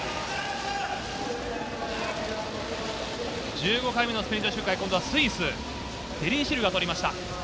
１５回目のスプリント周回、今度はスイス、シルが取りました。